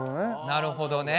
なるほどね。